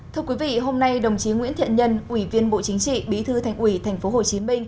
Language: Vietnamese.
thưa quý vị hôm nay đồng chí nguyễn thiện nhân ủy viên bộ chính trị bí thư thành ủy tp hcm